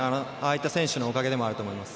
あいった選手のおかげでもあると思います。